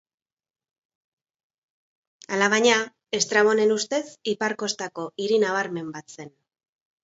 Alabaina, Estrabonen ustez, ipar kostako hiri nabarmen bat zen.